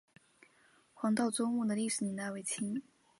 黄道周墓的历史年代为清。